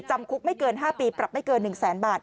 จำคุกไม่เกิน๕ปีปรับไม่เกิน๑แสนบาท